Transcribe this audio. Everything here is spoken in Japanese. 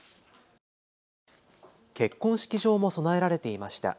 結婚式場も備えられていました。